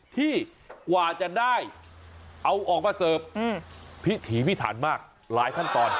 ที่กว่าจะได้เอาออกมาเสิร์ฟพิถีพิถันมากหลายขั้นตอน